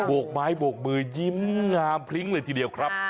กไม้โบกมือยิ้มงามพลิ้งเลยทีเดียวครับ